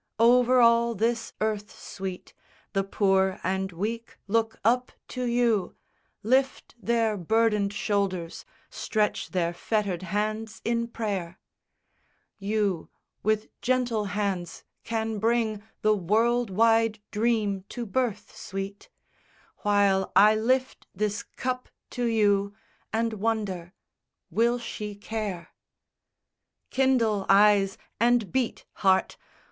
IX Over all this earth, sweet, The poor and weak look up to you Lift their burdened shoulders, stretch their fettered hands in prayer: You, with gentle hands, can bring the world wide dream to birth, sweet, While I lift this cup to you And wonder will she care? X Kindle, eyes, and beat, heart!